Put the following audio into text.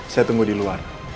saya tunggu di luar